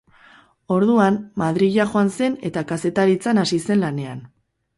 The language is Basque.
Orduan, Madrila joan zen eta kazetaritzan hasi zen lanean.